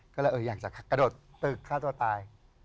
ก็เลยอยากจะกระโดดตึกฆ่าตัวตาย